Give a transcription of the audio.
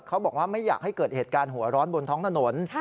บอกว่าไม่อยากให้เกิดเหตุการณ์หัวร้อนบนท้องถนน